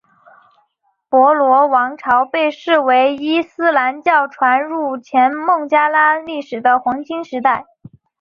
波罗王朝被视为伊斯兰教传入前孟加拉历史的黄金时期。